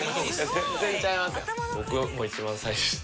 全然ちゃいますやん。